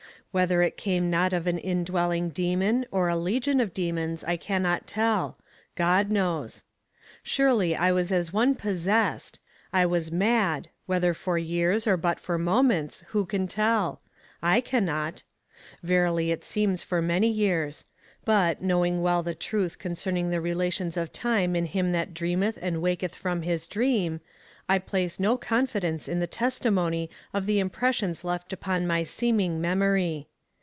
Whether it came not of an indwelling demon, or a legion of demons, I cannot tell God knows. Surely I was as one possessed. I was mad, whether for years, or but for moments who can tell? I cannot. Verily it seems for many years; but, knowing well the truth concerning the relations of time in him that dreameth and waketh from his dream, I place no confidence in the testimony of the impressions left upon my seeming memory.